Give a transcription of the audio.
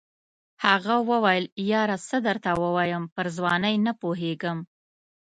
هغه وویل یاره څه درته ووایم پر ځوانۍ نه پوهېږم.